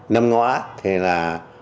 năm ngoái thì là